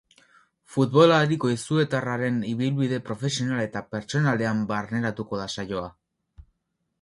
Futbolari goizuetarraren ibilbide profesional eta pertsonalean barneratuko da saioa.